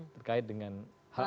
terkait dengan hal hal